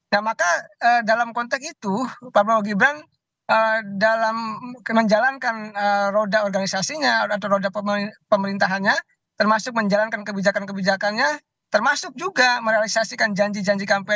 nah maka dalam konteks itu pak prabowo gibran dalam menjalankan roda organisasinya atau roda pemerintahannya termasuk menjalankan kebijakan kebijakannya termasuk juga merealisasikan janji janji kampanye